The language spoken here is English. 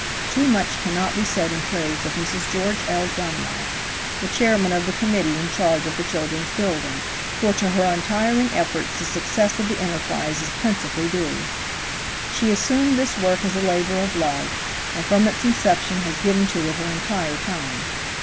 Too much cannot be said in praise of Mrs. George L. Dunlap, the Chairman of the Committee in charge of the Children's Building, for to her untiring efforts the success of the enterprise is principally due. She assumed this work as a labor of love, and from its inception has given to it her entire time.